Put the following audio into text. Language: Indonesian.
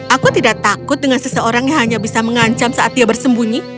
aku tidak takut dengan seseorang yang hanya bisa mengancam saat dia bersembunyi